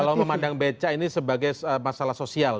kalau memandang beca ini sebagai masalah sosial